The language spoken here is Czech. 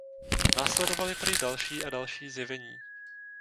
Následovaly prý další a další zjevení.